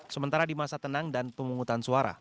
sementara di masa tenang dan pemungutan suara